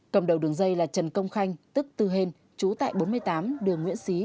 cầm đầu đường dây là trần công khanh tức tư hên trú tại bốn mươi tám đường nguyễn xí